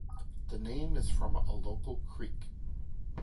The name is from a local creek.